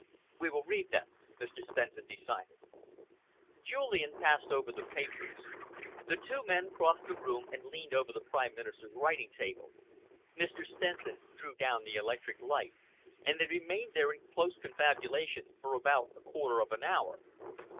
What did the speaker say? "We will read them," Mr. Stenson decided. Julian passed over the papers. The two men crossed the room and leaned over the Prime Minister's writing table. Mr. Stenson drew down the electric light, and they remained there in close confabulation for about a quarter of an hour.